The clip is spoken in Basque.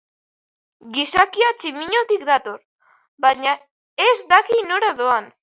Gizakia tximinotik dator, baina ez daki nora doan.